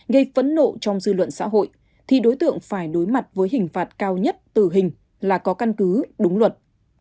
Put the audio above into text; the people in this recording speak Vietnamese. gây phấn nộ trong dư luận xã hội thì đối tượng phải đối mặt với hình phạt cao nhất tử hình là có căn cứ đúng luật